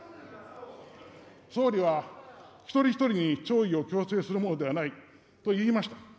総理は、一人一人に弔意を強制するものではないと言いました。